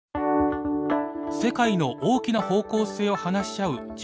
世界の大きな方向性を話し合うＧ７サミット。